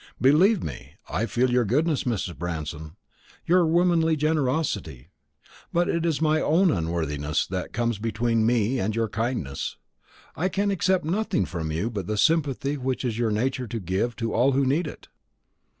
Believe me, I feel your goodness, Mrs. Branston, your womanly generosity; but it is my own unworthiness that comes between me and your kindness. I can accept nothing from you but the sympathy which it is your nature to give to all who need it."